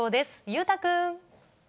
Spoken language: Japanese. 裕太君。